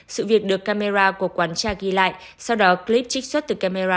sự việc được camera của quán tra ghi lại sau đó clip trích xuất từ camera